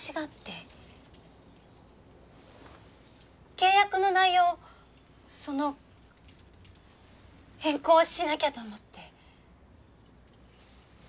契約の内容をその変更しなきゃと思って。